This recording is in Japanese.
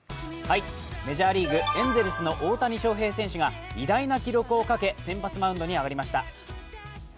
メジャーリーグ、エンゼルスの大谷翔平選手が偉大な記録をかけ、先発マウンドに上がりました。